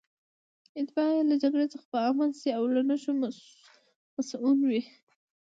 اتباع یې له جګړې څخه په امن شي او له نشو مصئون وي.